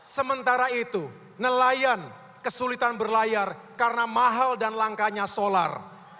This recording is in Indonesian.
sementara itu nelayan kesulitan berlayar karena mahal dan langkanya solar